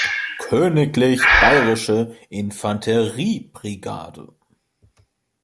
Königlich Bayerische Infanterie-Brigade.